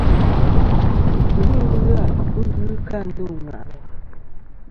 Wù n-tùmi ɨlvâ bu ghɨ kɨ a ndô ŋwàʼlɨ̀.